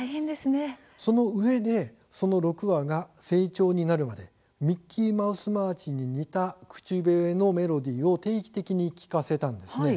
そのうえでその６羽が成鳥になるまで「ミッキーマウス・マーチ」に似た口笛のメロディーを定期的に聴かせたんです。